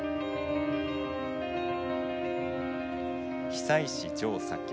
久石譲作曲